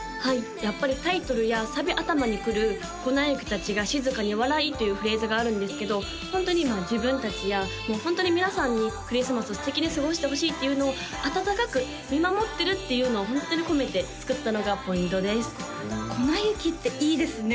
やっぱりタイトルやサビ頭にくる「粉雪たちが静かに笑い」というフレーズがあるんですけどホントに今自分達や皆さんにクリスマスを素敵に過ごしてほしいっていうのをあたたかく見守ってるっていうのをホントにこめて作ったのがポイントです「粉雪」っていいですね